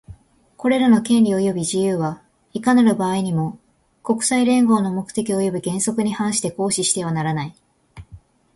これらの権利及び自由は、いかなる場合にも、国際連合の目的及び原則に反して行使してはならない。